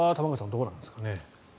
どうなんですかね。